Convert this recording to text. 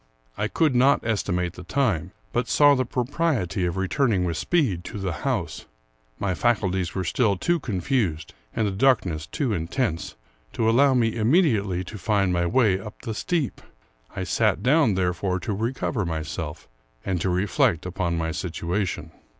I could not estimate the time, but saw the propriety of returning with speed to the house. My faculties were still too con fused, and the darkness too intense, to allow me immedi ately to find my way up the steep. I sat down, therefore, to recover myself, and to reflect upon my situation.